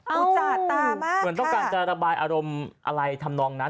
อุจจาตามากเหมือนต้องการจะระบายอารมณ์อะไรทำนองนั้น